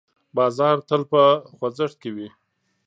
بازار تل په خوځښت کې وي.